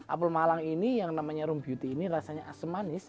apel malang ini yang namanya room beauty ini rasanya asam manis